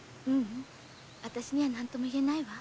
私には何とも言えないわ。